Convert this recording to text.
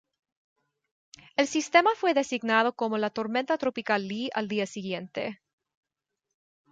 El sistema fue designado como la tormenta tropical Lee al día siguiente.